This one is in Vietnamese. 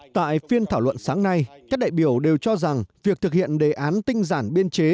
tại phiên thảo luận sáng nay các đại biểu đều cho rằng việc thực hiện đề án tinh giản biên chế